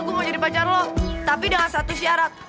gua mau jadi pacar lo tapi dengan satu syarat